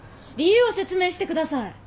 理由を説明してください！